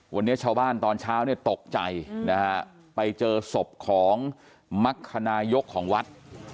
วันนี้ชาวบ้านตอนเช้าตกใจไปเจอศพของมคารยกของวัด